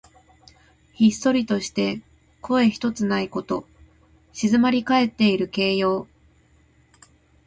ひっそりとして声ひとつないこと。静まりかえっている形容。